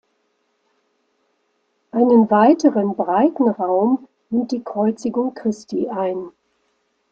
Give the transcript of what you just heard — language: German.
Einen weiteren breiten Raum nimmt die Kreuzigung Christi ein.